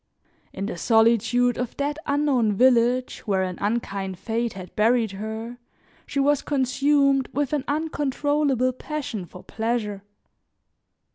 In the solitude of that unknown village, where an unkind fate had buried her, she was consumed with an uncontrollable passion for pleasure.